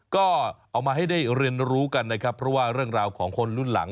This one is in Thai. ก็เอามาให้ได้เรียนรู้กันนะครับเพราะว่าเรื่องราวของคนรุ่นหลัง